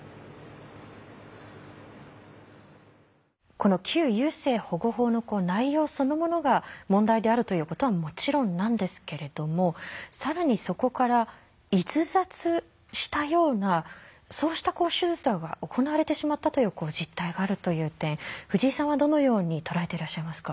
この旧優生保護法の内容そのものが問題であるということはもちろんなんですけれども更にそこから逸脱したようなそうした手術が行われてしまったという実態があるという点藤井さんはどのように捉えていらっしゃいますか？